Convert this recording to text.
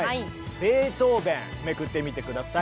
ベートーベンめくってみて下さい！